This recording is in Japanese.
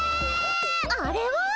あれは。